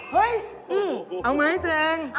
เฮ่ยเอาไหมเจ๊งเอา